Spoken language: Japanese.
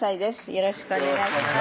よろしくお願いします